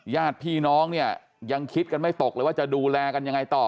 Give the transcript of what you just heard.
ญาติพี่น้องเนี่ยยังคิดกันไม่ตกเลยว่าจะดูแลกันยังไงต่อ